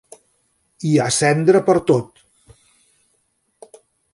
Hi ha cendra pertot.